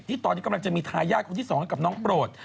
ตอนนี้กำลังจะมีทายาทคนที่๒ให้กับน้องโปรด